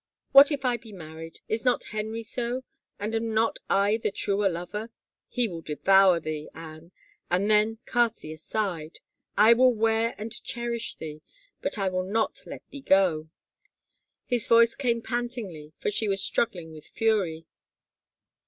What if I be married — is not Henry so and am not I the truer lover? He will devour thee, Anne, and then cast thee aside ! I will wear and cherish thee ... but I will not let thee go." His voice came pantingly for she was struggling with fury.